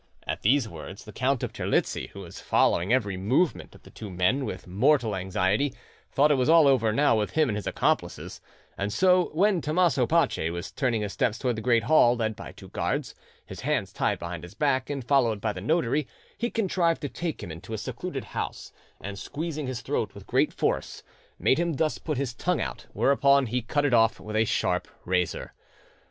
At these words, the Count of Terlizzi, who was following every movement of the two men with mortal anxiety, thought it was all over now with him and his accomplices; and so, when Tommaso Pace was turning his steps towards the great hall, led by two guards, his hands tied behind his back, and followed by the notary, he contrived to take him into a secluded house, and squeezing his throat with great force, made him thus put his tongue out, whereupon he cut it off with a sharp razor.